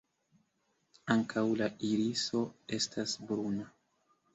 Ankaŭ la iriso estas bruna.